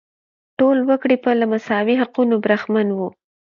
ټول وګړي به له مساوي حقونو برخمن وو.